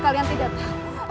kalian tidak tahu